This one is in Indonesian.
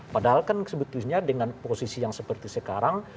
padahal kan sebetulnya dengan posisi yang seperti sekarang